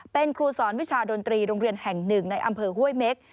เป็นครูสอนวิชาดนตรีโรงเรียนแห่งหนึ่งในอำเภอห้วยเม็ก